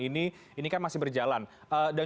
ini ini kan masih berjalan dan